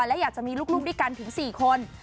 และอยากจะมีลูกด้วยกันถึง๔คน